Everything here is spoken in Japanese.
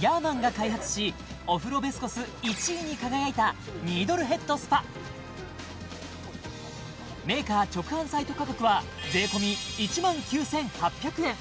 ヤーマンが開発しお風呂ベスコス１位に輝いたニードルヘッドスパメーカー直販サイト価格は税込１万９８００円